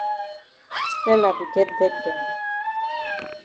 Stella be get debt dem.